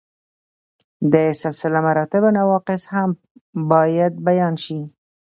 د سلسله مراتبو نواقص هم باید بیان شي.